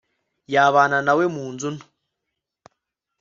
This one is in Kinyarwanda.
yabana na we mu nzu nto